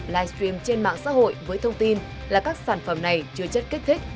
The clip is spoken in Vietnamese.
livestream trên mạng xã hội với thông tin là các sản phẩm này chứa chất kích thích